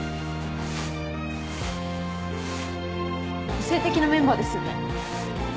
個性的なメンバーですよね。